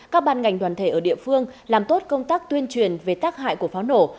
các ban ngành đoàn thể ở địa phương làm tốt công tác tuyên truyền về tác hại của pháo nổ